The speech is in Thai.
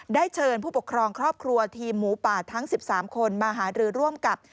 เชิญผู้ปกครองครอบครัวทีมหมูป่าทั้ง๑๓คนมาหารือร่วมกับ